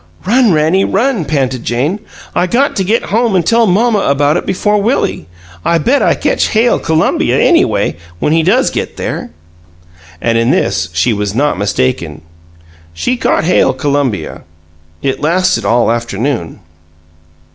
"Run, Rannie, run!" panted Jane. "I got to get home an' tell mamma about it before Willie. I bet I ketch Hail Columbia, anyway, when he does get there!" And in this she was not mistaken: she caught Hail Columbia. It lasted all afternoon.